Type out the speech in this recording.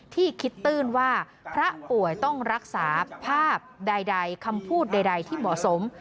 ที่คิดตื้นว่าพระป่วยต้องรักษาภาพใดคำพูดใดที่เหมาะสม